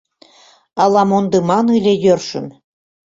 «Ала мондыман ыле йӧршын...»